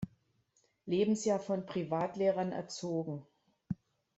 Lebensjahr von Privatlehrern erzogen.